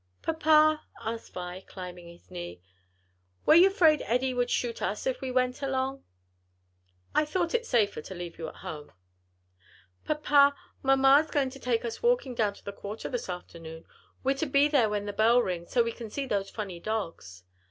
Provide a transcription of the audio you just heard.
"Papa," asked Vi, climbing his knee, "were you 'fraid Eddie would shoot us if we went along?" "I thought it safer to leave you at home." "Papa, mamma's going to take us walking down to the quarter this afternoon; we're to be there when the bell rings, so we can see those funny dogs."